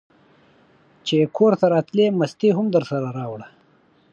چې کورته راتلې مستې هم درسره راوړه!